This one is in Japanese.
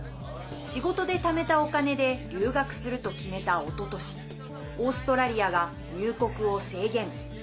仕事でためたお金で留学すると決めた、おととしオーストラリアが入国を制限。